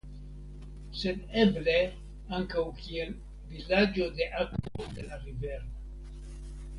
Sed eble ankaŭ kiel "Vilaĝo de Akvo de la Rivero".